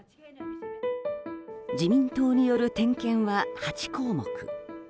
自民党による点検は、８項目。